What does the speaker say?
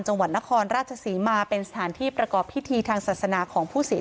จังหวัดนครราชศรีมาเป็นสถานที่ประกอบพิธีทางศาสนาของผู้เสีย